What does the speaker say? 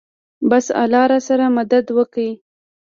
بس الله راسره مدد وکو.